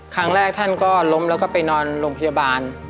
ครั้งแรกท่านก็ล้มแล้วก็ไปนอนโรงพยาบาล